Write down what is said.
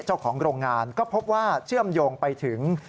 เจ้าของโรงงานก็พบว่าเชื่อมโยงไปถึง